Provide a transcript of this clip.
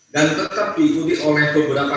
dan tetap diikuti oleh beberapa